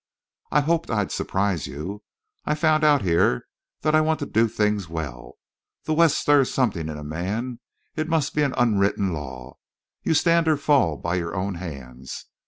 "I hoped I'd surprise you. I've found out here that I want to do things well. The West stirs something in a man. It must be an unwritten law. You stand or fall by your own hands.